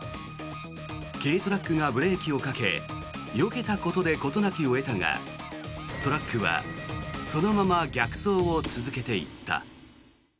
軽トラックがブレーキをかけよけたことで事なきを得たがトラックはそのまま逆走を続けていった。